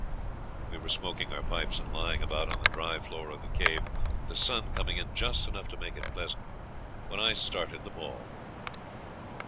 We were smoking our pipes and lying about on the dry floor of the cave, with the sun coming in just enough to make it pleasant, when I started the ball.